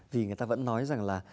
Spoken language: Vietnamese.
vì người ta vẫn nói rằng là